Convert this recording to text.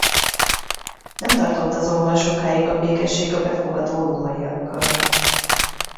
Nem tartott azonban sokáig a békesség a befogadó rómaiakkal.